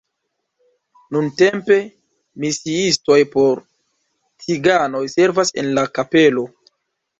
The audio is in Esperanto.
Nuntempe misiistoj por ciganoj servas en la kapelo.